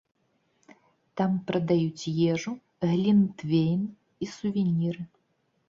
Там прадаюць ежу, глінтвейн і сувеніры.